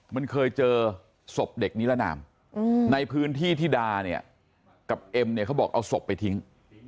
มันเคยเจอศพเด็กนิรนามในพื้นที่ที่ดาเนี่ยกับเอ็มเนี่ยเขาบอกเอาศพไปทิ้ง